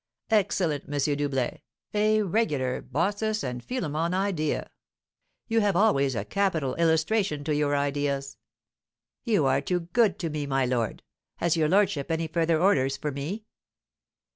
"Excellent, M. Doublet! A regular Baucis and Philemon idea. You have always a capital illustration to your ideas." "You are too good to me, my lord. Has your lordship any further orders for me?"